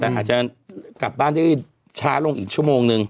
แต่อาจจะกลับบ้านได้ช้าลงอีกชั่วโมงนึง